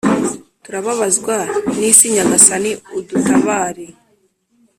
Turababazwa n’isi Nyagasani udutabare